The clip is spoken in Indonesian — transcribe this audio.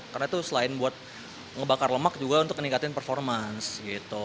karena itu selain buat ngebakar lemak juga untuk meningkatin performance gitu